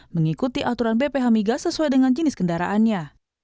mengikuti aturan bphmiga sesuai dengan jenis kendaraannya